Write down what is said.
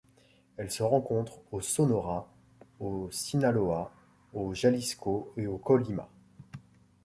Elle se rencontre au Sonora, au Sinaloa, au Jalisco et au Colima.